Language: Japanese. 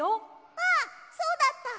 あっそうだった！